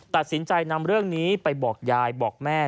ตัดสินใจนำเรื่องนี้ไปบอกยายบอกแม่